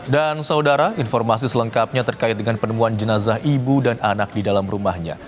dan saudara informasi selengkapnya terkait dengan penemuan jenazah ibu dan anak di dalam rumahnya